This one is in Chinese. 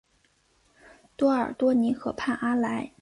多尔多尼河畔阿莱。